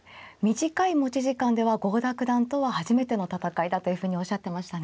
短い持ち時間では郷田九段とは初めての戦いだというふうにおっしゃってましたね。